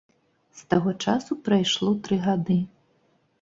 З таго часу прайшло тры гады.